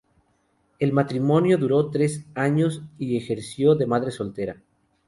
El matrimonio duró tres años y ejerció de madre soltera.